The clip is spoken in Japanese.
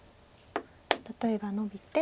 例えばノビて。